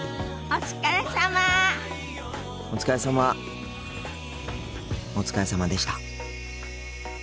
お疲れさまでした。